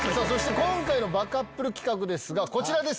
今回のバカップル企画ですがこちらです！